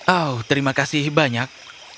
oh terima kasih banyak